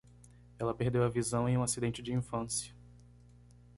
Ela perdeu a visão em um acidente de infância.